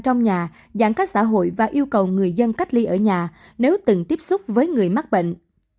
trong nhà giãn cách xã hội và yêu cầu người dân cách ly ở nhà nếu từng tiếp xúc với người mắc bệnh